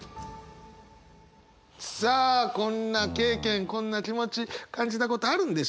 さあこんな経験こんな気持ち感じたことあるんでしょうか？